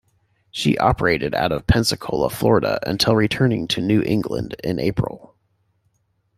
She operated out of Pensacola, Florida, until returning to New England in April.